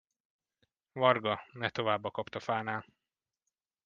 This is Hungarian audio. Varga, ne tovább a kaptafánál.